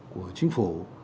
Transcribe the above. của chính phủ